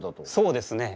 そうですね。